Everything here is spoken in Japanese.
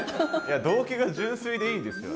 動機が純粋でいいですよね。